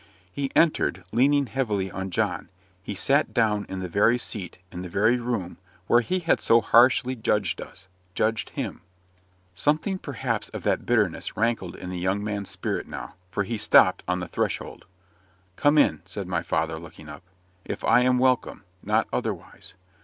He entered, leaning heavily on John. He sat down in the very seat, in the very room, where he had so harshly judged us judged him. Something, perhaps, of that bitterness rankled in the young man's spirit now, for he stopped on the threshold. "Come in," said my father, looking up. "If I am welcome; not otherwise."